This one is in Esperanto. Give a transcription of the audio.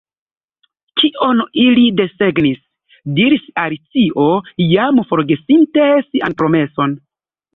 "Kion ili desegnis?" diris Alicio, jam forgesinte sian promeson.